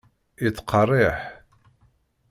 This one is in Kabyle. Yettqerriḥ?